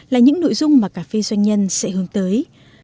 là những nội dung mà cà phê doanh nhân sẽ hướng tới